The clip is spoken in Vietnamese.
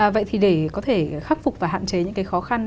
vậy thì để có thể khắc phục và hạn chế những cái khó khăn